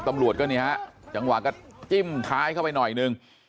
ตำรวจก็นี่ฮะจังหวะก็จิ้มท้ายเข้าไปหน่อยนึง